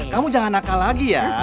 kamu jangan nakal lagi ya